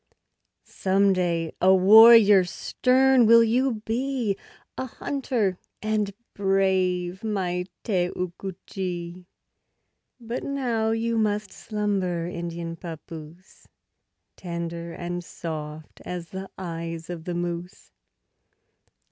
Some day a warrior stern will you be, A hunter and brave, my Te oo ku che; But now must you slumber, Indian papoose, Tender and soft as the eyes of the moose.